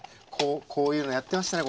こういうのやってましたね